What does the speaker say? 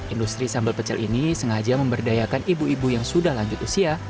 industri sambal pecel ini sengaja memberdayakan ibu ibu yang sudah lanjut usia